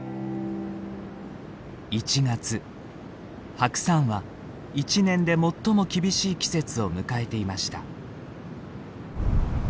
白山は一年で最も厳しい季節を迎えていました。